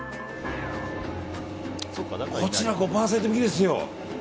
こちら、５％引きですよ。